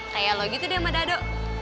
kayak lo gitu deh sama dado